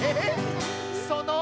その。